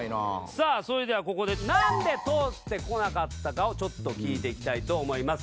さあそれではここでなんで通ってこなかったかをちょっと聞いていきたいと思います。